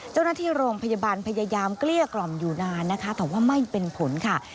เจ้าหน้าที่โรงพยาบาลพยายามเกลี้ยกล่อมอยู่นานนะคะแต่ว่าไม่เป็นผลค่ะ